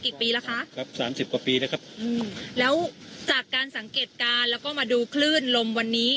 ปีละคะครับสามสิบกว่าปีนะครับอืมแล้วจากการสังเกตการณ์แล้วก็มาดูคลื่นลมวันนี้